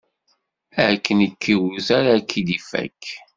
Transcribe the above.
Akken i k-iwwet, ara k-id-ifakk.